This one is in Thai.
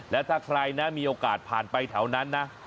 และถ้าใครนะมีโอกาสผ่านไปแถวนั้นนะ